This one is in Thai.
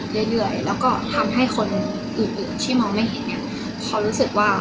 หรือทำให้คนอื่นทำให้การใช่ทีชอบดน้ำ